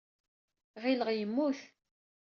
Ɣileɣ yemmut.